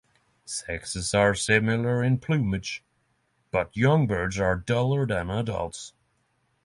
Sexes are similar in plumage, but young birds are duller than adults.